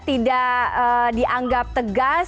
tidak dianggap menimbulkan